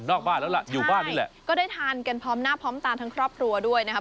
บ้านแล้วล่ะอยู่บ้านนี่แหละก็ได้ทานกันพร้อมหน้าพร้อมตาทั้งครอบครัวด้วยนะครับ